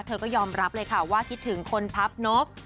เธอก็ยอมรับเลยค่ะว่าคิดถึงคนพับนก